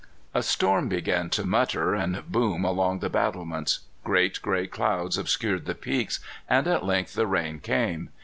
A storm began to mutter and boom along the battlements. Great gray clouds obscured the peaks, and at length the rain came.